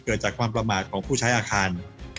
เกิดจากความประมาทของผู้ใช้อาคาร